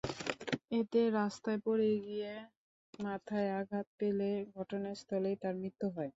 এতে রাস্তায় পড়ে গিয়ে মাথায় আঘাত পেলে ঘটনাস্থলেই তাঁর মৃত্যু হয়।